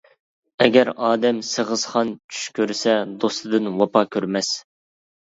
ئەگەر ئادەم سېغىزخان چۈش كۆرسە، دوستىدىن ۋاپا كۆرمەس.